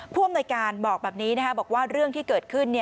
ผู้อำนวยการบอกแบบนี้บอกว่าเรื่องที่เกิดขึ้น